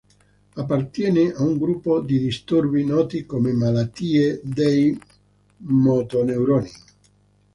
Appartiene a un gruppo di disturbi noti come malattie dei motoneuroni.